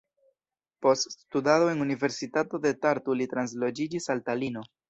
Post studado en Universitato de Tartu li transloĝiĝis al Talino.